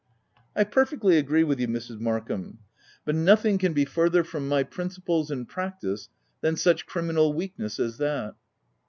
5 '" I perfectly agree with you Mrs. Markham ; but nothing can be further from my princi ples and practice than such criminal weakness as that."